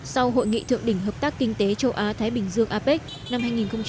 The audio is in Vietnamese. sau hội nghị thượng đỉnh hợp tác kinh tế châu á thái bình dương apec năm hai nghìn một mươi chín